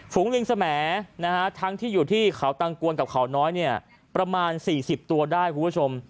ลิงสมแหทั้งที่อยู่ที่เขาตังกวนกับเขาน้อยประมาณ๔๐ตัวได้คุณผู้ชม